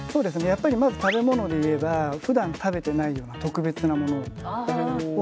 やっぱりまず食べ物で言えばふだん食べてないような特別なものをあげるっていう。